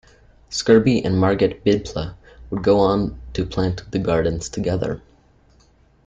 Scrubey and Margaret Biddulph would go on to plant the gardens together.